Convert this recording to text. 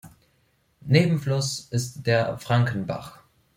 Nebenfluss ist der Frankenbach.